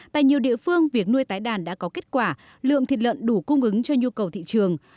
tại nhiều địa phương việc nuôi tái đàn đã có kết quả lượng thịt lợn đủ cung ứng cho nhu cầu thị trường